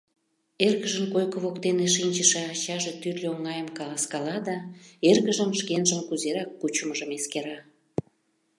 Эргыжын койко воктене шинчыше ачаже тӱрлӧ оҥайым каласкала да эргыжын шкенжым кузерак кучымыжым эскера.